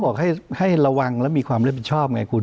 เขาบอกให้ระวังและมีความเป็นผิดชอบไงคุณ